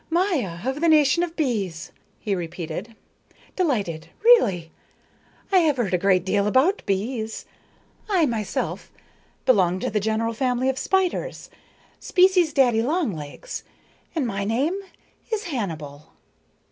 "Maya, of the nation of bees," he repeated. "Delighted, really. I have heard a good deal about bees. I myself belong to the general family of spiders, species daddy long legs, and my name is Hannibal."